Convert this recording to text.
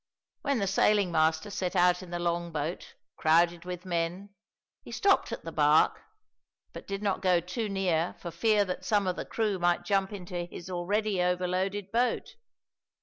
When the sailing master set out in the long boat, crowded with men, he stopped at the bark but did not go too near for fear that some of the crew might jump into his already overloaded boat.